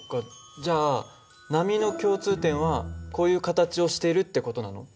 じゃあ波の共通点はこういう形をしてるって事なの？